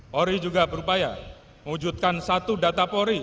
pori juga berupaya mewujudkan satu data pori